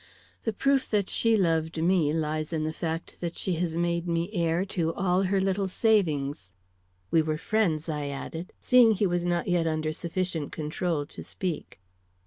"The proof that she loved me lies in the fact that she has made me heir to all her little savings. We were friends," I added, seeing he was not yet under sufficient control to speak.